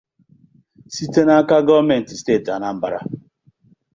Site n'aka gọọmenti steeti Anambra